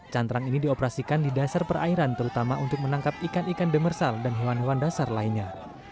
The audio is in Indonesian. cantrang ini dioperasikan di dasar perairan terutama untuk menangkap ikan ikan demersal dan hewan hewan dasar lainnya